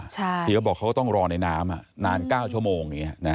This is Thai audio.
เขาบอกว่าเขาต้องรอในน้ำนาน๙ชั่วโมง